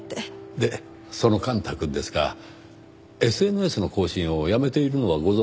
でその幹太くんですがＳＮＳの更新をやめているのはご存じですか？